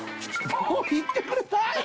もういってください